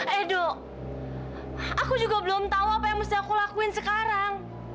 edo aku juga belum tahu apa yang mesti aku lakuin sekarang